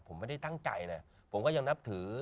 ผมไม่ได้ตั้งใจนะผมก็ยังนับถือ